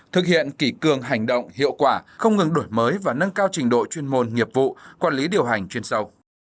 thực hiện kỷ cường hành động hiệu quả không ngừng đổi mới và nâng cao trình độ chuyên môn nghiệp vụ quản lý điều hành chuyên sâu